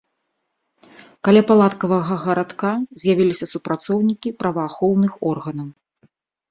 Каля палаткавага гарадка з'явіліся супрацоўнікі праваахоўных органаў.